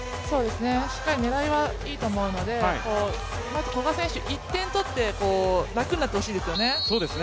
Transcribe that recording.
しっかり狙いはいいと思うのでまず古賀選手１点取って楽になってほしいですね。